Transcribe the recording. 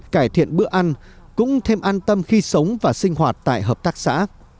cải thiện bữa ăn cũng thêm an tâm khi sống và sinh hoạt tại hợp tác xã